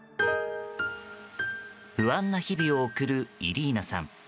不安な日々を送るイリーナさん。